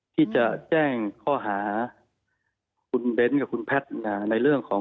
ที่จะแจ้งข้อหาคุณเบ้นท์กับคุณแพทย์นะ